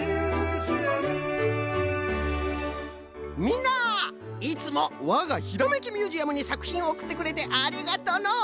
みんないつもわがひらめきミュージアムにさくひんをおくってくれてありがとの。